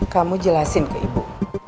kamu jelasin ke ibu